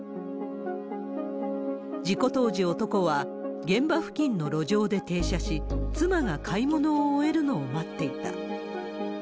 事故当時、男は現場付近の路上で停車し、妻が買い物を終えるのを待っていた。